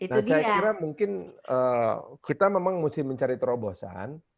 nah saya kira mungkin kita memang mesti mencari terobosan